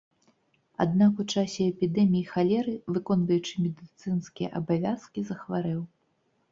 Аднак у часе эпідэміі халеры, выконваючы медыцынскія абавязкі, захварэў.